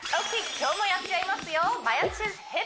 今日もやっちゃいますよ